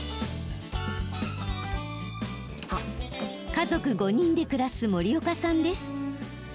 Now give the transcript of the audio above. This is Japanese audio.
家族５人で暮らす森岡さんです。